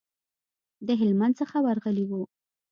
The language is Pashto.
د هلمند څخه ورغلي وو.